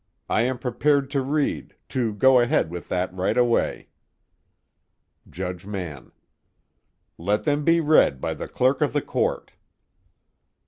I am prepared to read to go ahead with that right away. JUDGE MANN: Let them be read by the clerk of the court.